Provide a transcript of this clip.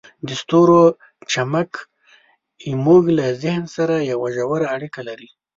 د ستورو چمک زموږ له ذهن سره یوه ژوره اړیکه لري.